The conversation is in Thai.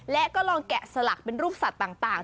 และก็ลองแกะสลักเป็นรูปสัตว์ต่าง